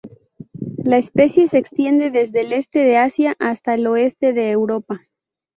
La especie se extiende desde el este de Asia hasta el oeste de Europa.